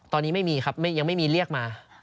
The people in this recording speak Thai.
ตอนนี้ไม่มีครับยังไม่มีเรียกมา